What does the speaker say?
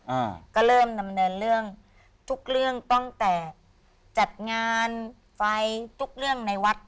อ่าก็เริ่มดำเนินเรื่องทุกเรื่องตั้งแต่จัดงานไฟทุกเรื่องในวัด